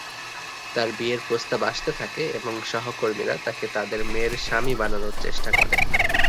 তার বিয়ের প্রস্তাব আসতে থাকে এবং সহকর্মীরা তাকে তাদের মেয়ের স্বামী বানানোর চেষ্টা করে।